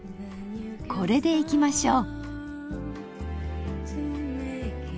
これでいきましょう。